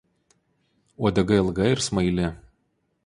Uodega ilga ir smaili.